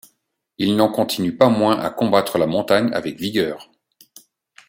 Il n'en continue pas moins à combattre la Montagne avec vigueur.